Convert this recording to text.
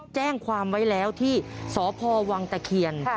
แจ้งความไว้แล้วที่สพวังตะเคียน